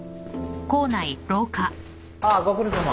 ああご苦労さま。